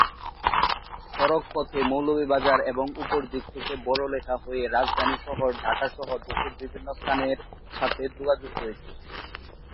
সড়ক পথে মৌলভীবাজার এবং ওপর দিক থেকে বড়লেখা হয়ে রাজধানী শহর ঢাকাসহ দেশের বিভিন্ন স্থানের সাথে যোগাযোগ রয়েছে।